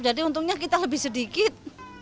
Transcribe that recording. jadi untungnya kita lebih sedikit